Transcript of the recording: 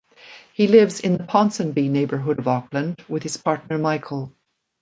He lives in the Ponsonby neighborhood of Auckland with his partner Michael.